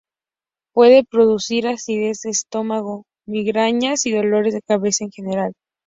Puede producir acidez de estómago, migrañas y dolores de cabeza en general.